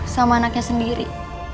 sama anaknya sendiri